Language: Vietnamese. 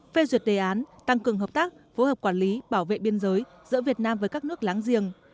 phê duyệt đề án tăng cường hợp tác phối hợp quản lý bảo vệ biên giới giữa việt nam với các nước láng giềng